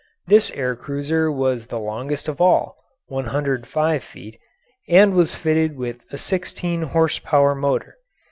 This air cruiser was the longest of all (105 feet), and was fitted with a sixteen horse power motor.